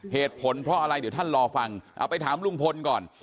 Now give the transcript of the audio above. เหตุผลเพราะอะไรเดี๋ยวท่านรอฟังเอาไปถามลุงพลก่อน